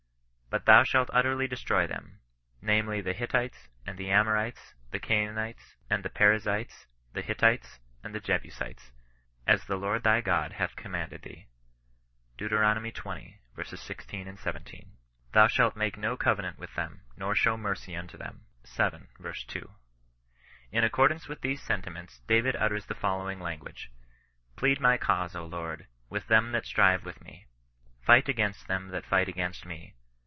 But thou shalt utterly destroy them ; namely the Hittites, and the Amo rites, the Canaanites, and the Perizzites, the ^ivite6, and the Jebusites, as the Lord thy God hath commanded thee." Deut. xx. 16, 17. " Thou shalt make no cove nant with them, nor show mercy unto them." lb. vii. 2. In accordance with these sentiments David utters the fol lowing language: " Plead my cause, Lord, with them that strive with me : fight against th^n that fight against me.